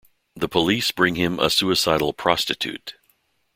The police bring him a suicidal prostitute.